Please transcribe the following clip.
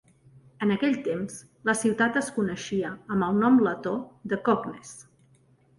En aquell temps, la ciutat es coneixia amb el nom letó de Koknese.